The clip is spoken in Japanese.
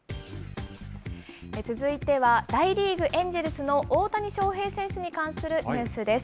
続いては大リーグ・エンジェルスの大谷翔平選手に関するニュースです。